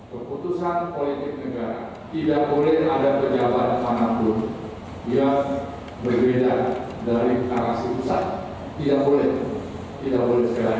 keputusan politik negara tidak boleh ada pejabat tanah dulu